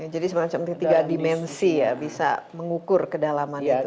jadi semacam tiga dimensi ya bisa mengukur kedalaman itu